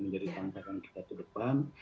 menjadi tantangan kita ke depan